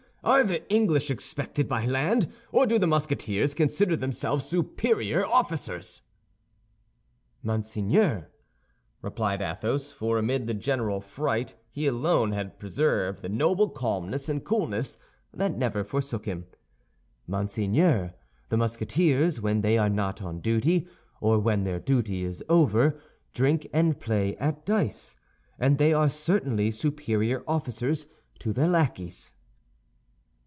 "Are the English expected by land, or do the Musketeers consider themselves superior officers?" "Monseigneur," replied Athos, for amid the general fright he alone had preserved the noble calmness and coolness that never forsook him, "Monseigneur, the Musketeers, when they are not on duty, or when their duty is over, drink and play at dice, and they are certainly superior officers to their lackeys."